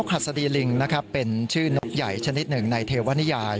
นกฮัศดีลิงเป็นชื่อนกใหญ่ชนิดหนึ่งในเทวานิยาย